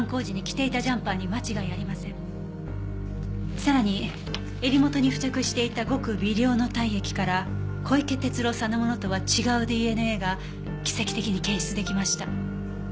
さらに襟元に付着していたごく微量の体液から小池鉄郎さんのものとは違うＤＮＡが奇跡的に検出できました。